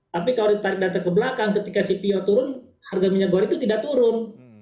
tapi kalau ditarik data ke belakang ketika cpo turun harga minyak goreng itu tidak turun